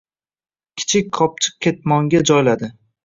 Kichik qopchiq-katmonga joyladi.